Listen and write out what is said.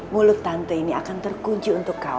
mulut tante ini akan terkunci untuk kaum